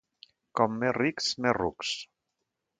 Com més rics, més rucs.